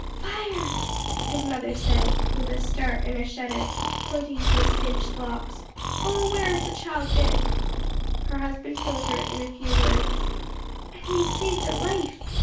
"Fire!" his mother said with a start and shudder, pointing to his singed locks, "oh, where has the child been?" Her husband told her in a few words. "And he has saved a life!"